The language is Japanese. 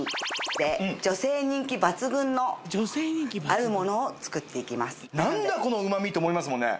○○で女性人気抜群のあるものを作っていきますって思いますもんね